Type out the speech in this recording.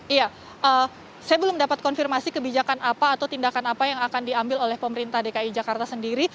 iya saya belum dapat konfirmasi kebijakan apa atau tindakan apa yang akan diambil oleh pemerintah dki jakarta sendiri